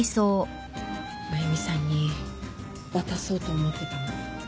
真由美さんに渡そうと思ってたの。